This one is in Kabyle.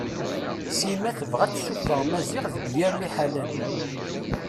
Sima tebɣa ad tessuffeɣ Maziɣ deg yir liḥala-nni.